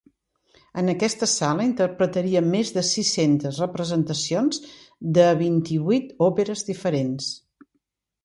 En aquesta sala interpretaria més de sis-centes representacions de vint-i-vuit òperes diferents.